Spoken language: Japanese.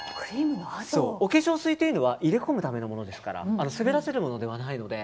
お化粧水というのは入れ込むためのものですから滑らせるものではないので。